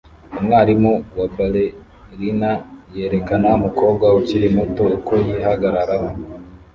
Umwarimu wa ballerina yerekana umukobwa ukiri muto uko yihagararaho